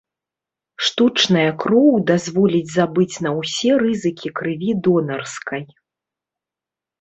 Штучная кроў дазволіць забыць на ўсе рызыкі крыві донарскай.